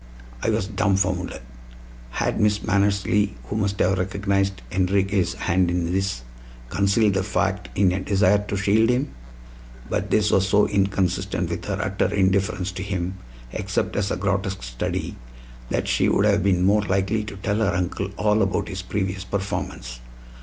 I was dumfounded. Had Miss Mannersley, who must have recognized Enriquez' hand in this, concealed the fact in a desire to shield him? But this was so inconsistent with her utter indifference to him, except as a grotesque study, that she would have been more likely to tell her uncle all about his previous performance.